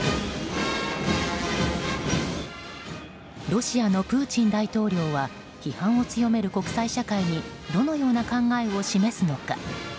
ロシアのプーチン大統領は批判を強める国際社会にどのような考えを示すのか。